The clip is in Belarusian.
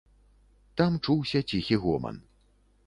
Там чуўся ціхі гоман.